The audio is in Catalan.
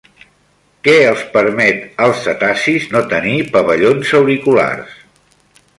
Què els permet als cetacis no tenir pavellons auriculars?